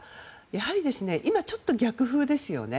やはり、今ちょっと逆風ですね。